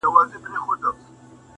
هر اندام يې دوو ټگانو وو ليدلى؛